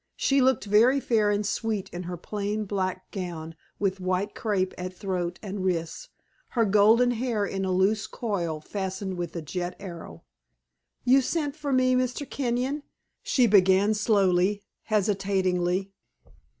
She looked very fair and sweet in her plain black gown with white crape at throat and wrists, her golden hair in a loose coil fastened with a jet arrow. "You sent for me, Mr. Kenyon?" she began slowly, hesitatingly.